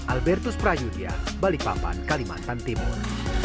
albertus prayudya balikpapan kalimantan timur